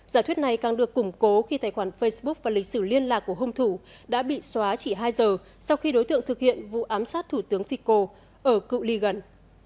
giả thuyết này càng được củng cố khi tài khoản facebook và lịch sử liên lạc của hung thủ đã bị xóa chỉ hai giờ sau khi đối tượng thực hiện vụ ám sát thủ tướng fico ở cựu ly gần